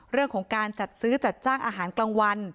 เรื่องของการจัดซื้อจัดจ้างอาหารกลางวัน